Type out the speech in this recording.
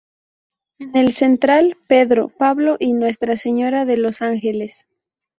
En el central, Pedro, Pablo y Nuestra Señora de los Ángeles.